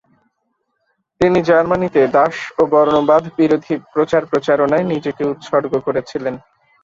তিনি জার্মানীতে দাস ও বর্ণবাদ বিরোধী প্রচার- প্রচারণায় নিজেকে উৎসর্গ করেছিলেন।